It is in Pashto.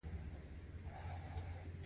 د معدې تیزاب خواړه حل کوي